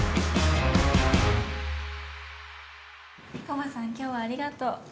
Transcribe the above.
コバさん今日はありがとう。